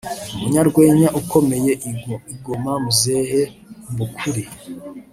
umunyarwenya ukomeye i Goma Mzee Mbukuli